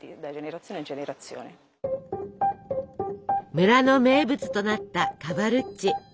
村の名物となったカバルッチ。